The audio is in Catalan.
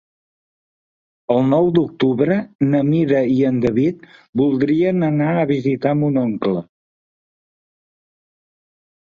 El nou d'octubre na Mira i en David voldria anar a visitar mon oncle.